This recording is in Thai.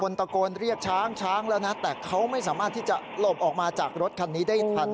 ตะโกนเรียกช้างช้างแล้วนะแต่เขาไม่สามารถที่จะหลบออกมาจากรถคันนี้ได้ทัน